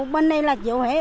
bên này là chịu hết